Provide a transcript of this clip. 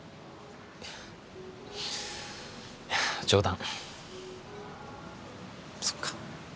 いやいや冗談そっか